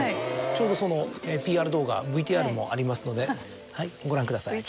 ちょうどそのＰＲ動画ＶＴＲもありますのでご覧ください。